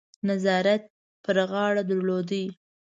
نظارت پر غاړه درلود.